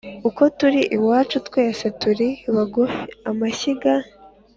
Uko turi iwacu twese turi bagufi-Amashyiga.